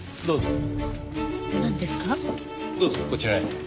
どうぞ。